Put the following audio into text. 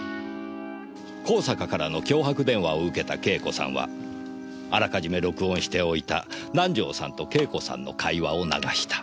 香坂からの脅迫電話を受けた惠子さんはあらかじめ録音しておいた南条さんと惠子さんの会話を流した。